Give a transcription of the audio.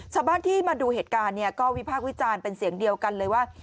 ชาวบ้านที่มาดูเหตุการณ์เนี่ยก็วิพากษ์วิจารณ์เป็นเสียงเดียวกันเลยว่า